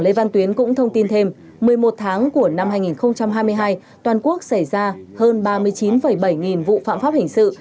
lê văn tuyến cũng thông tin thêm một mươi một tháng của năm hai nghìn hai mươi hai toàn quốc xảy ra hơn ba mươi chín bảy nghìn vụ phạm pháp hình sự